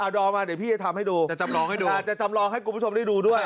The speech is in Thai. เอาดอมมาเดี๋ยวพี่จะทำให้ดูจะจำลองให้กลุ่มผู้ชมได้ดูด้วย